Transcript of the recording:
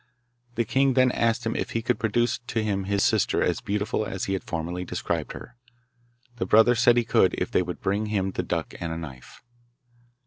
The king then asked him if he could produce to him his sister as beautiful as he had formerly described her. The brother said he could if they would bring him the duck and a knife.